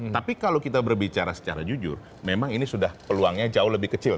tapi kalau kita berbicara secara jujur memang ini sudah peluangnya jauh lebih kecil